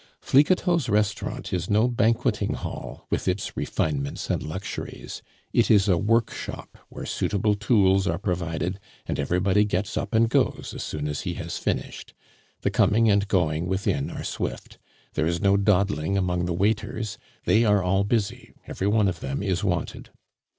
Flicoteaux's restaurant is no banqueting hall, with its refinements and luxuries; it is a workshop where suitable tools are provided, and everybody gets up and goes as soon as he has finished. The coming and going within are swift. There is no dawdling among the waiters; they are all busy; every one of them is wanted.